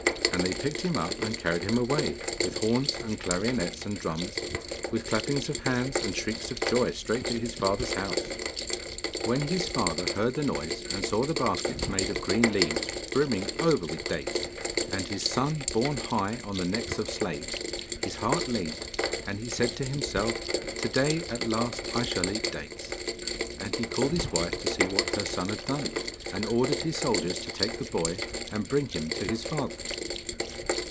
And they picked him up, and carried him away, with horns and clarionets and drums, with clappings of hands and shrieks of joy, straight to his father's house. When his father heard the noise and saw the baskets made of green leaves, brimming over with dates, and his son borne high on the necks of slaves, his heart leaped, and he said to himself 'To day at last I shall eat dates.' And he called his wife to see what her son had done, and ordered his soldiers to take the boy and bring him to his father.